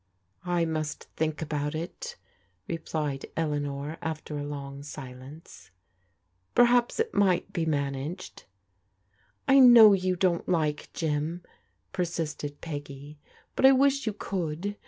" I must think about it," replied Eleanor after a long silence. " Perhaps it might be managed." " I know you don't like Jim," persisted Peggy, " but I wish you could